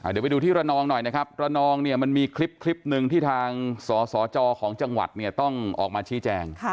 เดี๋ยวไปดูที่ระนองหน่อยนะครับระนองเนี่ยมันมีคลิปหนึ่งที่ทางสสจของจังหวัดเนี่ยต้องออกมาชี้แจง